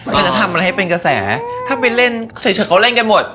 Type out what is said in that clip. จะทำอะไรให้เป็นกระแสถ้าไปเล่นเฉยเขาเล่นกันหมด